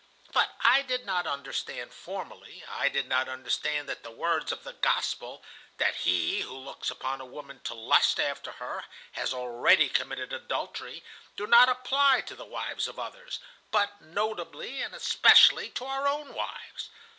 "But I did not understand formerly, I did not understand that the words of the Gospel, that 'he who looks upon a woman to lust after her has already committed adultery,' do not apply to the wives of others, but notably and especially to our own wives.